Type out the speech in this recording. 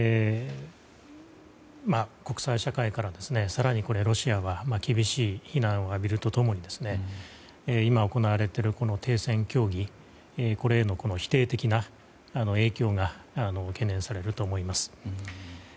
国際社会から更にロシアは厳しい非難を浴びると共に今、行われている停戦協議への否定的な影響が懸念されると思います。